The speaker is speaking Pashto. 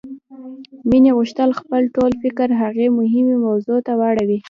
مينې غوښتل خپل ټول فکر هغې مهمې موضوع ته واړوي.